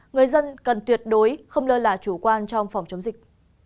người dân cần tuyệt đối không lơ là chủ quan trong phòng chống dịch